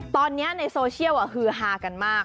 ตอนนี้ในโซเชียลฮือฮากันมาก